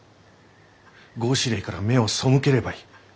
合祀令から目を背ければいい。